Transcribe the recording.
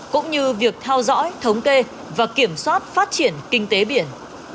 cũng như việc theo dõi thống kê và kiểm soát phát triển kinh tế biển